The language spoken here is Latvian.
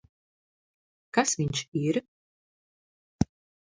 Kas viņš ir?